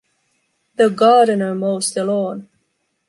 The gardener mows the lawn.